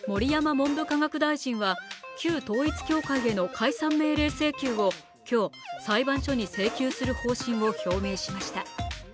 文部科学大臣は旧統一教会への解散命令請求を今日、裁判所に請求する方針を表明しました。